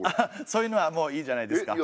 そういうのはもういいじゃないですか。